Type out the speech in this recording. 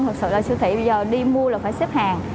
về siêu thị bây giờ đi mua là phải xếp hàng